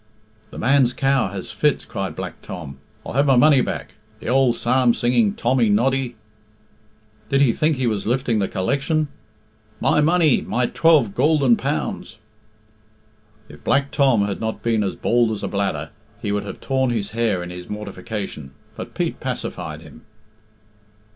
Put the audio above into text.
"The man's cow has fits," cried Black Tom. "I'll have my money back. The ould psalm singing Tommy Noddy! did he think he was lifting the collection? My money! My twelve goolden pounds!" If Black Tom had not been as bald as a bladder, he would have torn his hair in his mortification. But Pete pacified him.